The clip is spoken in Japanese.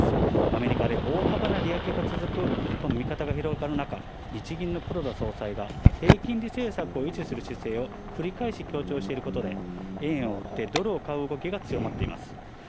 アメリカで大幅な利上げが続くとの見方が広がる中、日銀の黒田総裁が低金利政策を維持する姿勢を繰り返し強調していることで、円を売ってドルを買う動きが強まっています。